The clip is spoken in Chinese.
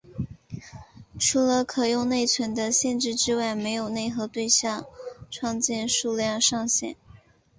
除了可用内存的限制之外没有内核对象创建数量上限。